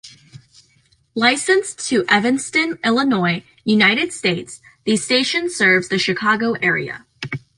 Licensed to Evanston, Illinois, United States, the station serves the Chicago area.